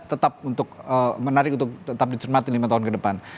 tetap untuk menarik untuk tetap dicermati lima tahun ke depan